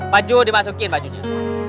baju dimasukin bajunya